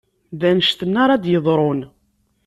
D annect-nni ara d-yeḍrun.